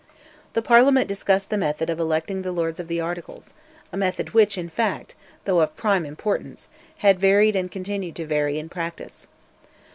The Parliament discussed the method of electing the Lords of the Articles a method which, in fact, though of prime importance, had varied and continued to vary in practice.